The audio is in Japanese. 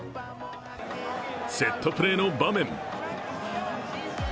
セットプレーの場面。